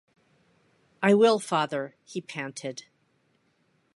‘I will, father,’ he panted.